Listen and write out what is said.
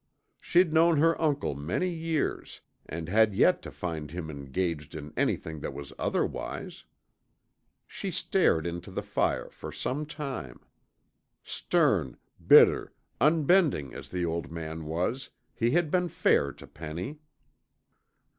She'd known her uncle many years, and had yet to find him engaged in anything that was otherwise. She stared into the fire for some time. Stern, bitter, unbending as the old man was, he had been fair to Penny.